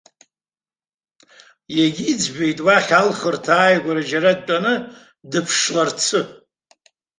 Иагьиӡбеит, уахь алхырҭа ааигәара џьара дтәаны дыԥшларацы.